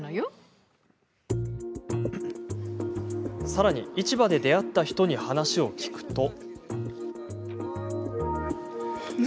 さらに市場で出会った人に話を聞くと。